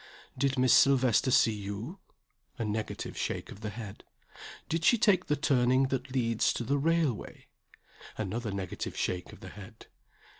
"Did Miss Silvester see you?" A negative shake of the head. "Did she take the turning that leads to the railway?" Another negative shake of the head.